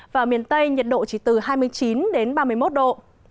và miền tây nhiệt độ chỉ từ hai mươi chín đến ba mươi một độ